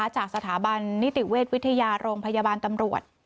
จากสถาบันนิติเวชวิทยาโรงพยาบาลตำรวจ